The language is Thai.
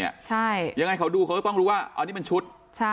ยังไงเขาดูเขาก็ต้องรู้ว่าอันนี้มันชุด